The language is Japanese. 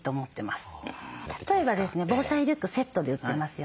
例えばですね防災リュックセットで売ってますよね。